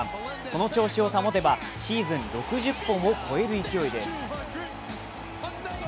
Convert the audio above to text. この調子を保てばシーズン６０本を超える勢いです。